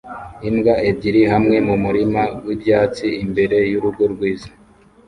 Imbwa ebyiri hamwe mumurima wibyatsi imbere yurugo rwiza